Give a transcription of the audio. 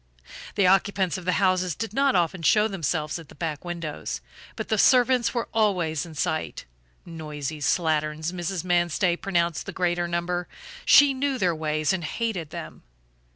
The occupants of the houses did not often show themselves at the back windows, but the servants were always in sight. Noisy slatterns, Mrs. Manstey pronounced the greater number; she knew their ways and hated them.